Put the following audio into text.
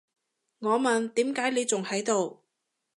我問，點解你仲喺度？